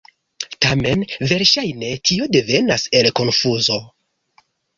Tamen, verŝajne tio devenas el konfuzo.